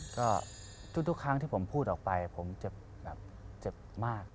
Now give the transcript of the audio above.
ก็ทุกครั้งที่ผมพูดออกไปผมเจ็บแบบเจ็บมาก